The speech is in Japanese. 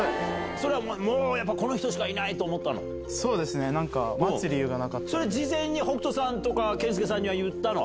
それはもうやっぱりこの人しそうですね、なんか、待つ理それ事前に、北斗さんとか健介さんには言ったの？